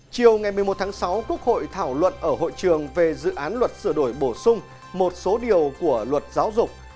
chiều ngày một mươi một tháng sáu quốc hội thảo luận ở hội trường về dự án luật sửa đổi bổ sung một số điều của luật giáo dục